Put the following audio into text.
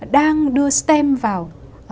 đang đưa stem vào